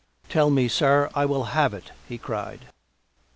" Tell me, sir — I will have it !" he cried.